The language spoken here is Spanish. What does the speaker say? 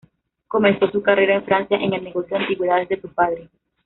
Comenzó su carrera en Francia en el negocio de antigüedades de su padre.